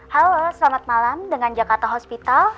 halo selamat malam dengan jakarta hospital